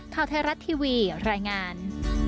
ท้าวเทราะห์ทีวีรายงาน